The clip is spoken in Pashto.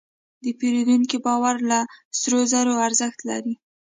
د پیرودونکي باور له سرو زرو ارزښت لري.